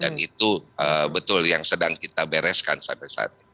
dan itu betul yang sedang kita bereskan sampai saat ini